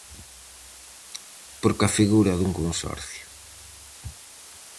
Por que a figura dun consorcio?